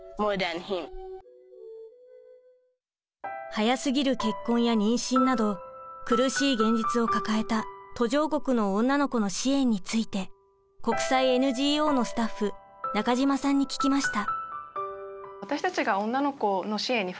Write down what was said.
早すぎる結婚や妊娠など苦しい現実を抱えた途上国の女の子の支援について国際ＮＧＯのスタッフ中島さんに聞きました。